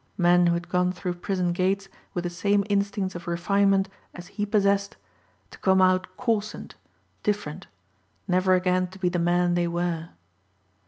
Men who had gone through prison gates with the same instincts of refinement as he possessed to come out coarsened, different, never again to be the men they were.